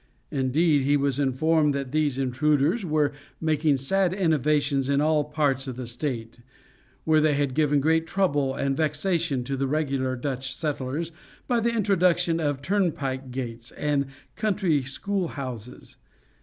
Indeed, he was informed that these intruders were making sad innovations in all parts of the State; where they had given great trouble and vexation to the regular Dutch settlers, by the introduction of turnpike gates and country school houses.